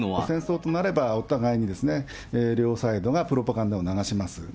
戦争となればお互いに両サイドがプロパガンダを流します。